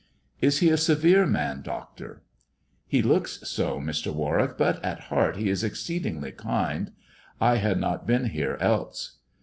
Is he a severe man, doctor 1 "" He looks so, Mr. Warwick, but at heart he is exceed ingly kind. I had not been here else."